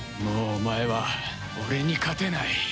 もうお前は俺に勝てない。